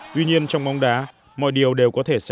tuy nhiên trong bóng đá mọi điều đều có thể xảy ra